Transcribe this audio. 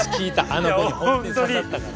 あの子に本当に刺さったから。